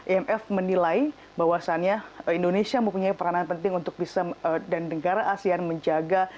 imf menilai bahwasannya indonesia mempunyai peranan penting untuk bisa dan negara asean menjaga